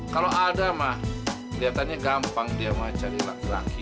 kalau ada mah kelihatannya gampang dia mau cari laki laki